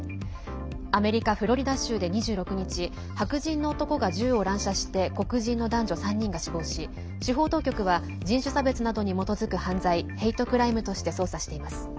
アメリカ・フロリダ州で２６日、白人の男が銃を乱射して黒人の男女３人が死亡し司法当局は人種差別などに基づく犯罪、ヘイトクライムとして捜査しています。